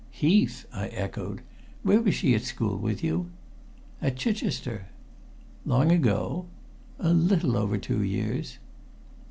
"Heath!" I echoed. "Where was she at school with you?" "At Chichester." "Long ago?" "A little over two years."